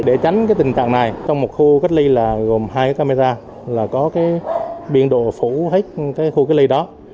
để tránh tình trạng này trong một khu cách ly gồm hai camera là có biện độ phủ hết khu cách ly đó